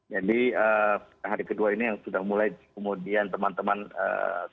jadi hari kedua ini yang sudah mulai kemudian teman teman harus berpikir